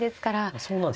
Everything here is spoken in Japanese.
そうなんです。